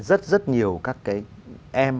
rất rất nhiều các cái em